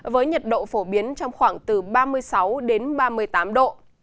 với nhiệt độ phổ biến trong khoảng từ ba mươi sáu đến ba mươi tám độ